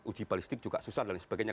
uji balistik juga susah dan sebagainya